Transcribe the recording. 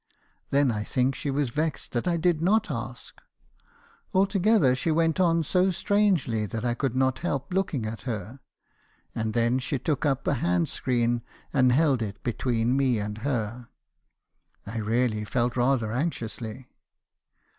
Then I think she was vexed that 1 did not ask. Altogether she went on so strangely that I could not help looking at her; and then she took up a hand screen, and held it between me and her. I really felt rather anxiously.